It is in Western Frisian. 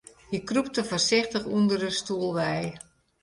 Hy krûpte foarsichtich ûnder de stoel wei.